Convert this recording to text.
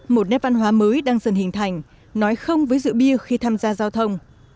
một nét văn hóa mới đang dần hình thành nói không với rượu bia khi tham gia giao thông